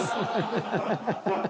ハハハハハ。